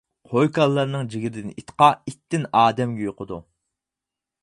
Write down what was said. قوي كالىلارنىڭ جىگىرىدىن ئىتقا، ئىتتىن ئادەمگە يۇقىدۇ.